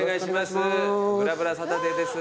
『ぶらぶらサタデー』です。